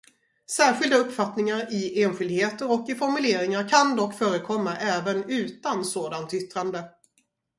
Särskilda uppfattningar i enskildheter och i formuleringar kan dock förekomma även utan sådant yttrande.